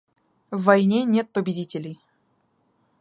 В войне нет победителей.